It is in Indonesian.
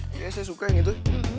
kayaknya saya suka yang itu